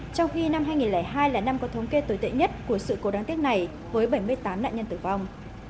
trong khi năm hai nghìn hai là năm có thống kê tồi tệ nhất của sự cố đáng tiếc này với bảy mươi tám nạn nhân tử vong